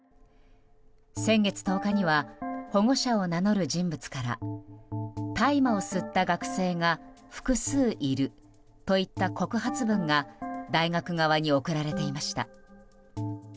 先月１０日には保護者を名乗る人物から大麻を吸った学生が複数いるといった告発文が大学側に送られていました。